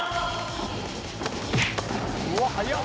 「うわ速っ！」